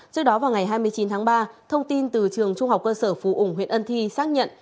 trước đó vào ngày hai mươi chín tháng ba thông tin từ trường trung học quân sở phù ổng huyện ân thi xác nhận